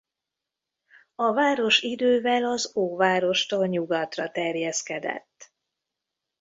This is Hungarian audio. A város idővel az óvárostól nyugatra terjeszkedett.